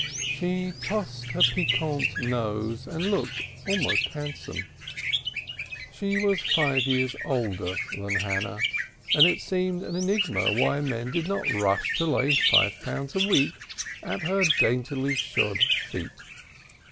She tossed her piquant nose and looked almost handsome. She was five years older than Hannah, and it seemed an enigma why men did not rush to lay five pounds a week at her daintily shod feet.